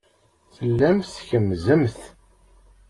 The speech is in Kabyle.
Tellamt tkemmzemt.